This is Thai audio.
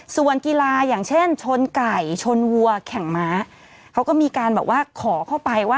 ส่วนกีฬาอย่างเช่นชนไก่ชนวัวแข่งม้าเขาก็มีการแบบว่าขอเข้าไปว่า